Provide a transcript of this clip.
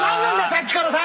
⁉さっきからさ！